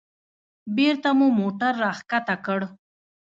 بېرته مو موټر راښکته کړ.